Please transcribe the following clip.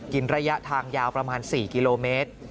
ระยะทางยาวประมาณ๔กิโลเมตร